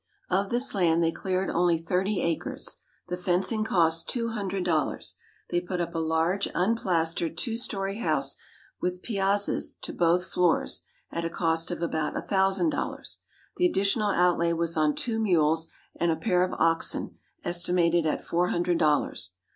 Of this land they cleared only thirty five acres. The fencing cost two hundred dollars. They put up a large, unplastered, two story house, with piazzas to both floors, at a cost of about a thousand dollars. The additional outlay was on two mules and a pair of oxen, estimated at four hundred dollars.